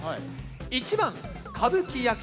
１番「歌舞伎役者」